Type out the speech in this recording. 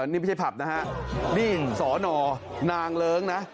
นี่ไม่ใช่ผับนะฮะนี่สอนอนางเลิ้งนะ